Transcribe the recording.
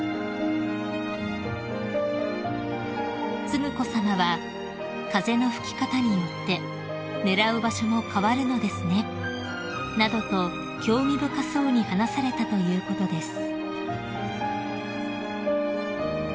［承子さまは「風の吹き方によって狙う場所も変わるのですね」などと興味深そうに話されたということです］